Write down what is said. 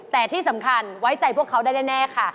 แต่ที่สำคัญไว้ใจพวกเขาได้แน่ค่ะ